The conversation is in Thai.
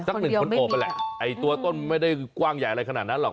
หนึ่งคนโอบนั่นแหละไอ้ตัวต้นไม่ได้กว้างใหญ่อะไรขนาดนั้นหรอก